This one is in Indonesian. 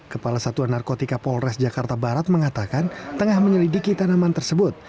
kepala satuan narkotika polres jakarta barat mengatakan tengah menyelidiki tanaman tersebut